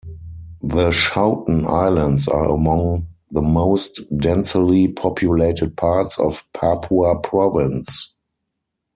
The Schouten Islands are among the most densely populated parts of Papua province.